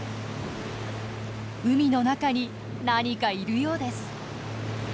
海の中に何かいるようです。